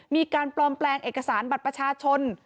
มีการปลอมแปลงเอกสารบัตรประชาชน